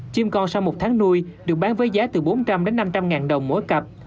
chim con sau một tháng nuôi được bán với giá từ bốn trăm linh đến năm trăm linh ngàn đồng mỗi cặp